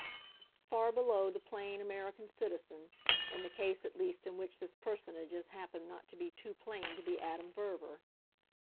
Far below the plain American citizen in the case at least in which this personage happened not to be too plain to be Adam Verver.